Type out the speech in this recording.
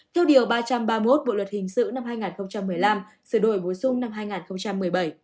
theo điều ba trăm ba mươi một bộ luật hình sự năm hai nghìn một mươi năm sở đổi bối xung năm hai nghìn một mươi bảy